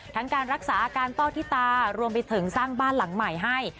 การรักษาอาการต้อที่ตารวมไปถึงสร้างบ้านหลังใหม่ให้